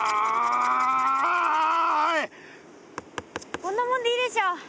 こんなもんでいいでしょ。